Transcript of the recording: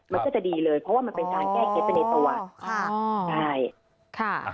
มันก็จะดีเลยเพราะว่ามันเป็นทางแก้เค็ตในตัว